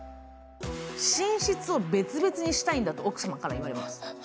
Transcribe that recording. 寝室に別々にしたいんだと奥様から言われます。